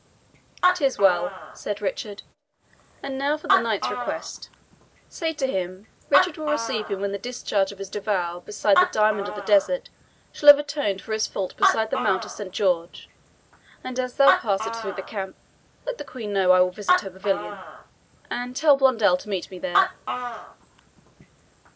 "'Tis well," said Richard; "and now for the knight's request. Say to him, Richard will receive him when the discharge of his devoir beside the Diamond of the Desert shall have atoned for his fault beside the Mount of Saint George; and as thou passest through the camp, let the Queen know I will visit her pavilion and tell Blondel to meet me there."